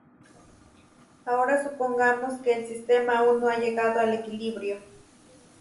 Ahora supongamos que el sistema aún no ha llegado al equilibrio.